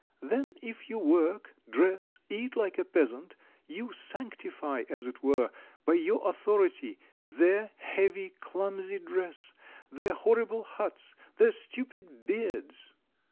Then if you work, dress, eat like a peasant you sanctify, as it were, by your authority, their heavy, clumsy dress, their horrible huts, their stupid beards.